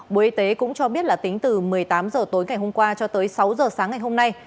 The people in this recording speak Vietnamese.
bộ y tế cũng cho biết là tính từ một mươi tám h tối ngày hôm qua cho tới sáu h sáng ngày hôm nay